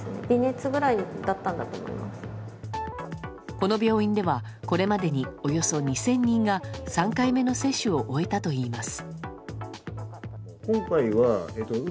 この病院では、これまでにおよそ２０００人が３回目の接種を終えたといいます。